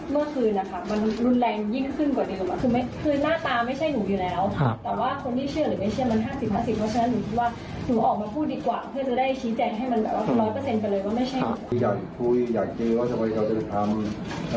ก็เหมือนคุกคามหรือเปล่าที่แบบว่าเด็ดจังเลย